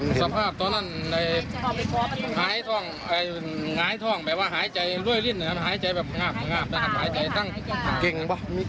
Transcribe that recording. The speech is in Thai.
เห็นกว่าส่วนข้นดีอะพรวม